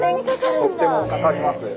とってもかかります。